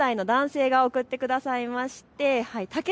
８０代の男性が送ってくださいました。